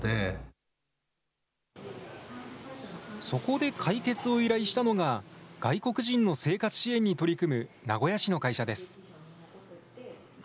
そこで解決を依頼したのが、外国人の生活支援に取り組む名古屋市の会社です。